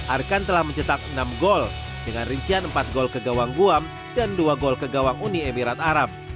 arkan telah mencetak enam gol dengan rincian empat gol ke gawang guam dan dua gol ke gawang uni emirat arab